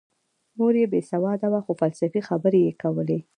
مور یې بې سواده وه خو فلسفي خبرې یې کولې